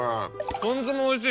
ポン酢もおいしい！